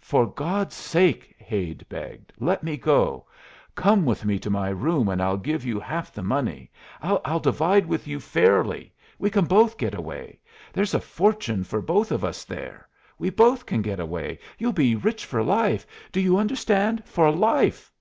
"For God's sake," Hade begged, "let me go. Come with me to my room and I'll give you half the money. I'll divide with you fairly. We can both get away. There's a fortune for both of us there. We both can get away. You'll be rich for life. Do you understand for life!"